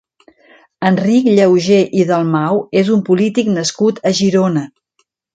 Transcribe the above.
Enric Llauger i Dalmau és un polític nascut a Girona.